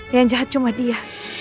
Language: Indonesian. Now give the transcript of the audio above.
yang jahat cuma dia